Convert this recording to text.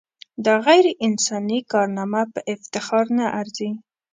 دا غیر انساني کارنامه په افتخار نه ارزي.